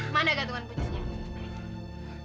mana gantungan kuncinya